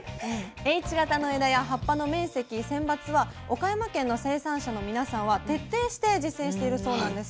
Ｈ型の枝や葉っぱの面積選抜は岡山県の生産者の皆さんは徹底して実践しているそうなんです。